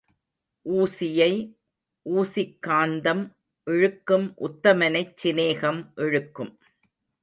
ஊசியை ஊசிக் காந்தம் இழுக்கும் உத்தமனைச் சிநேகம் இழுக்கும்.